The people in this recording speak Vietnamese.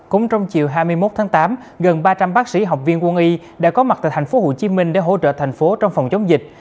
cũng trong chiều hai mươi một tháng tám gần ba trăm linh bác sĩ học viên quân y đã có mặt tại thành phố hồ chí minh để hỗ trợ thành phố trong phòng chống dịch